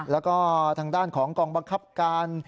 แล้วก็ทางด้านของกองบังคับการ